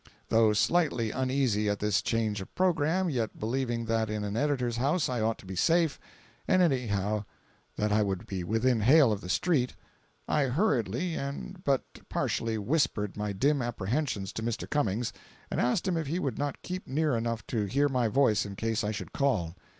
Though slightly uneasy at this change of programme, yet believing that in an editor's house I ought to be safe, and anyhow that I would be within hail of the street, I hurriedly, and but partially whispered my dim apprehensions to Mr. Cummings, and asked him if he would not keep near enough to hear my voice in case I should call.